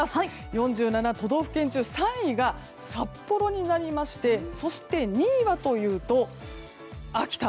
４７都道府県中３位が札幌になりましてそして、２位はというと秋田。